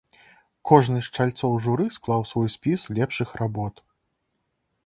Кожны з чальцоў журы склаў свой спіс лепшых работ.